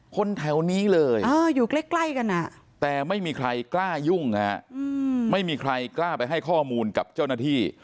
คนแถวนี้เลยอยู่ใกล้กันแต่ไม่มีใครกล้ายุ่งฮะไม่มีใครกล้าไปให้ข้อมูลกับเจ้าหน้าที่